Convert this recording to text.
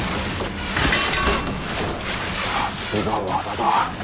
さすが和田だ。